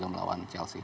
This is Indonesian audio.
untuk melawan chelsea